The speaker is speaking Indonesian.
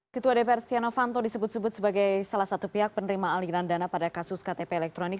ketua dpr setia novanto disebut sebut sebagai salah satu pihak penerima aliran dana pada kasus ktp elektronik